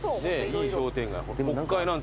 いい商店街。